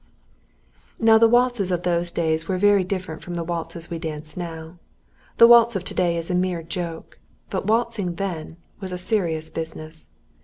"] Now, the waltzes of those days were very different from the waltzes we dance now. The waltz of to day is a mere joke; but waltzing then was a serious business.